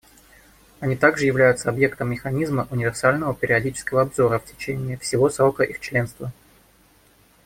Они также являются объектом механизма универсального периодического обзора в течение всего срока их членства.